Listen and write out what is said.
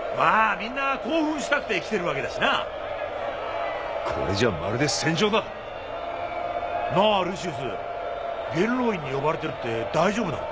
みんな興奮したくて来てるわけだしなこれじゃまるで戦場だなあルシウス元老院に呼ばれてるって大丈夫なのか？